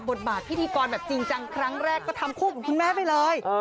บทบาทพิธีกรแบบจริงจังครั้งแรกก็ทำคู่กับคุณแม่ไปเลย